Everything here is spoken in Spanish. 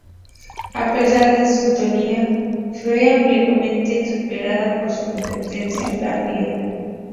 A pesar de su sintonía, fue ampliamente superada por su competencia 'La fiera'.